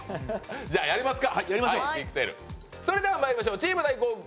じゃ、やりますか。